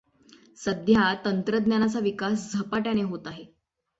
सध्या तंत्रज्ञानाचा विकास झपाट्याने होत आहे.